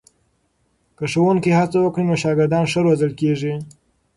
که ښوونکي هڅه وکړي نو شاګردان ښه روزل کېږي.